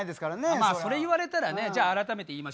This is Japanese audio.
まあそれ言われたらねじゃあ改めて言いましょうか。